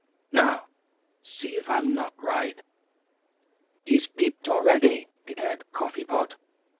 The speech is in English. "Now, see if I'm not right." "He's peeped already," declared Coffee Pot.